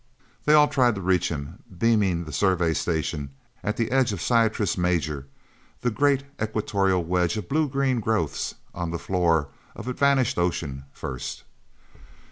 They all tried to reach him, beaming the Survey Station at the edge of Syrtis Major, the great equatorial wedge of blue green growths on the floor of a vanished ocean, first.